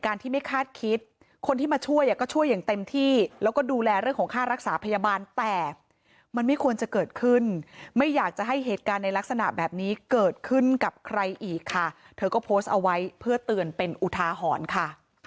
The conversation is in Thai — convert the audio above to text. ที่ไม่คาดคิดคนที่มาช่วยอ่ะก็ช่วยอย่างเต็มที่แล้วก็ดูแลเรื่องของค่ารักษาพยาบาลแต่มันไม่ควรจะเกิดขึ้นไม่อยากจะให้เหตุการณ์ในลักษณะแบบนี้เกิดขึ้นกับใครอีกค่ะเธอก็โพสต์เอาไว้เพื่อเตือนเป็นอุทาหรณ์ค่ะ